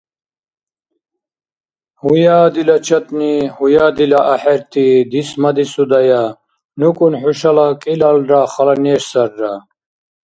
– Гьуя, дила чатӀни, гьуя, дила ахӀерти, дисмадисудая. НукӀун хӀушала кӀилалра хала неш сарра.